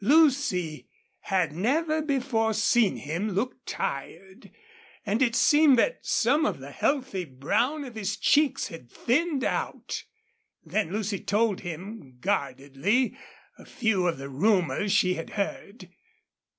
Lucy had never before seen him look tired, and it seemed that some of the healthy brown of his cheeks had thinned out. Then Lucy told him, guardedly, a few of the rumors she had heard.